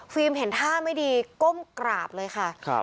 ฟิล์มเห็นท่าไม่ดีก้มกราบเลยค่ะครับ